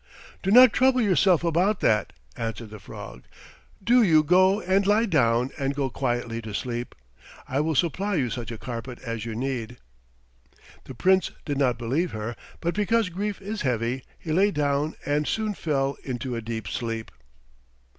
"Do not trouble yourself about that," answered the frog. "Do you go and lie down and go quietly to sleep. I will supply you such a carpet as you need." The Prince did not believe her, but because grief is heavy he lay down and soon fell into a deep sleep.